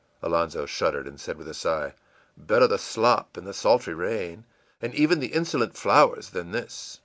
Alonzo shuddered, and said with a sigh, ìBetter the slop, and the sultry rain, and even the insolent flowers, than this!